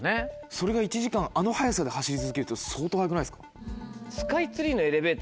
それが１時間あの速さで走り続けるって相当速くないですか？